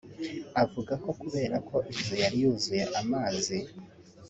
Avuga ko kubera ko inzu yari yuzuye amazi